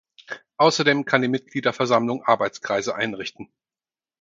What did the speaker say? Außerdem kann die Mitgliederversammlung Arbeitskreise einrichten.